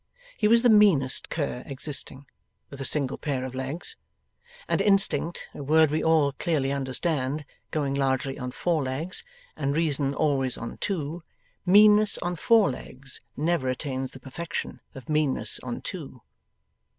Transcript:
He was the meanest cur existing, with a single pair of legs. And instinct (a word we all clearly understand) going largely on four legs, and reason always on two, meanness on four legs never attains the perfection of meanness on two.